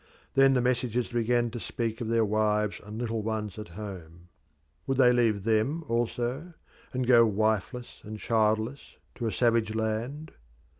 Then the messengers began to speak of their wives and little ones at home. Would they leave them also, and go wifeless and childless to a savage land?